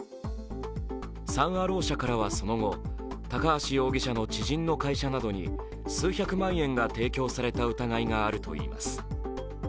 サン・アロー社からはその後、高橋容疑者の知人の会社などに数百万円が提供された疑いがあるといいます。